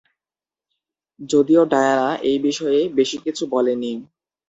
যদিও ডায়ানা এই বিষয়ে বেশি কিছু বলেনি।